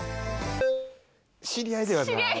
知り合いではない！